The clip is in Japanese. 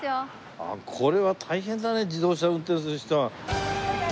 あっこれは大変だね自動車運転する人は。